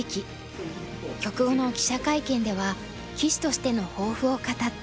局後の記者会見では棋士としての抱負を語った。